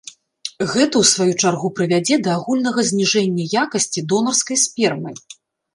Гэта ў сваю чаргу прывядзе да агульнага зніжэння якасці донарскай спермы.